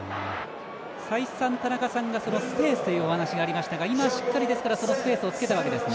再三、田中さんがスペースというお話がありましたが今、しっかりそのスペースを突けたわけですね。